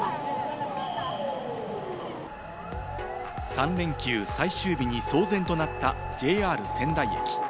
三連休最終日に騒然となったＪＲ仙台駅。